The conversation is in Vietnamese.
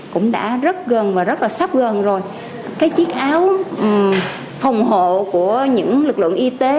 các chiếc áo phòng hộ của những lực lượng y tế